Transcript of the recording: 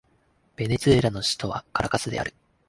ベネズエラの首都はカラカスである